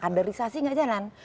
kaderisasi tidak jalan